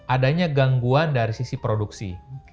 adanya gangguan dari sisi produksi